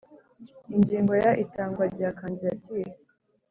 Ingingo ya itangwa rya kandidatire